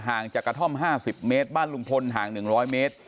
ห่างจากกระท่อมห้าสิบเมตรบ้านลุงพลห่างหนึ่งร้อยเมตร